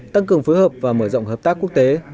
tăng cường phối hợp và mở rộng hợp tác quốc tế